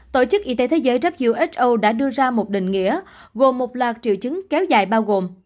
tổ chức y tế thế giới who đã đưa ra một định nghĩa gồm một loạt triệu chứng kéo dài bao gồm